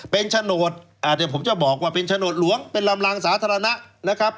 เป็นโฉนดเดี๋ยวผมจะบอกว่าเป็นโฉนดหลวงเป็นลำลางสาธารณะนะครับ